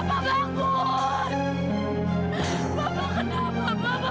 papa celakanya terluka parah ma